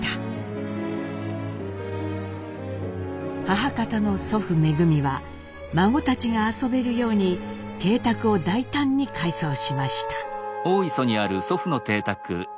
母方の祖父恩は孫たちが遊べるように邸宅を大胆に改装しました。